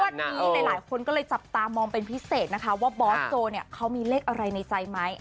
วันนี้หลายคนก็เลยจับตามองเป็นพิเศษนะคะว่าบอสโจเนี่ยเขามีเลขอะไรในใจไหม